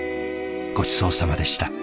ごちそうさまでした。